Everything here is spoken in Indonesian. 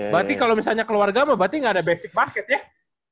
berarti kalau misalnya keluarga mah berarti nggak ada basic basket ya